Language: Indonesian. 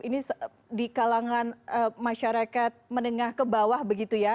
ini di kalangan masyarakat menengah ke bawah begitu ya